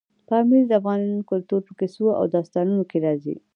پامیر د افغان کلتور په کیسو او داستانونو کې راځي.